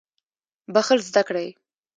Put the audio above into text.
بخښل زده کړئ